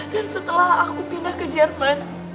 dan setelah aku pindah ke jerman